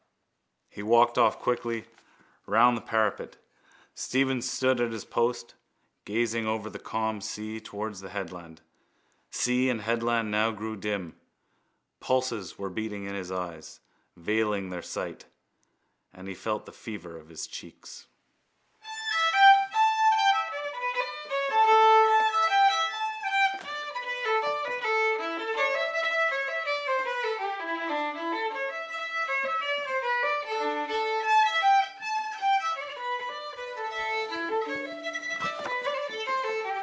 He walked off quickly round the parapet. Stephen stood at his post, gazing over the calm sea towards the headland. Sea and headland now grew dim. Pulses were beating in his eyes, veiling their sight, and he felt the fever of his cheeks.